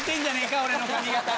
俺の髪形に。